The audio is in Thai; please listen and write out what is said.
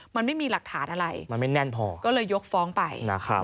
มันไม่มีหลักฐานอะไรมันไม่แน่นพอก็เลยยกฟ้องไปนะครับ